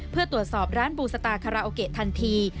เพื่อตรวจสอบร้านบูสตาคาราโอเกะทันที